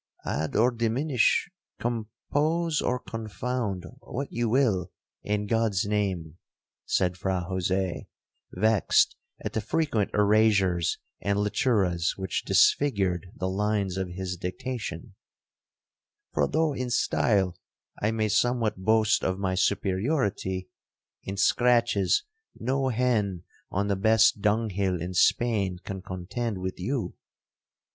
'—'Add or diminish, compose or confound, what you will, in God's name!' said Fra Jose, vexed at the frequent erazures and lituras which disfigured the lines of his dictation; 'for though in style I may somewhat boast of my superiority, in scratches no hen on the best dunghill in Spain can contend with you!